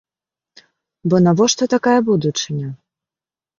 Бо навошта такая будучыня?